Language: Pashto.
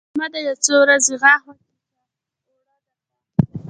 احمده! يو څو ورځې غاښ وچيچه؛ اوړه درته اخلم.